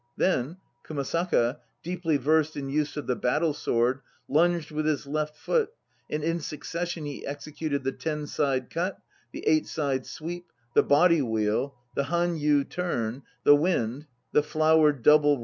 Then, Kumasaka, deeply versed in use of the battle sword, lunged with his left foot and in succession he executed The Ten Side Cut, The Eight Side Sweep, The Body Wheel, The Hanyii Turn, The Wind The Flower Double.